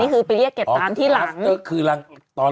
อ๋อคือตอนหลังจบแล้ว